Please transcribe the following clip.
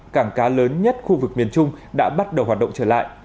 cảng cá lớn nhất khu vực miền trung đã bắt đầu hoạt động trở lại